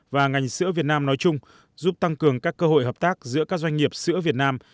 và ngành sữa việt nam nói chung giúp tăng cường các cơ hội hợp tác giữa các doanh nghiệp sữa việt nam